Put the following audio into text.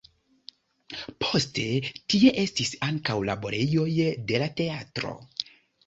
Poste tie estis ankaŭ laborejoj de la teatro.